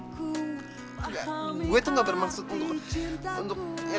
gue tuh gak bermaksud untuk